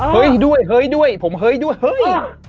เฮ้ยด้วยเฮ้ยด้วยผมเฮ้ยด้วยเฮ้ย